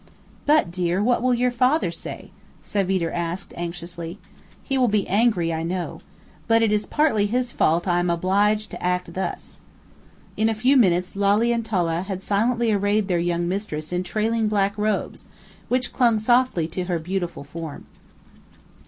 "But, dear, what will your father say?" Savitre asked anxiously. "He will be angry, I know. But it is partly his fault I am obliged to act thus." In a few minutes Lalli and Tolla had silently arrayed their young mistress in trailing black robes, which clung softly to her beautiful form.